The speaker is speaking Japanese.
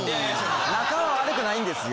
仲は悪くないんですよ。